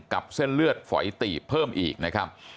เส้นเลือดฝอยตีบเพิ่มอีกนะครับ